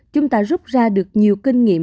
chúng ta rút ra được nhiều kinh nghiệm